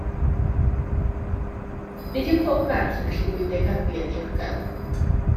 Nid yw pob merch yn gallu bwydo ei babi yn ddiogel.